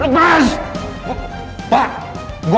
gue cuma disuruh pak lepasin gue